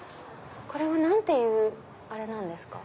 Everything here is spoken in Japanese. これは何ていうあれなんですか？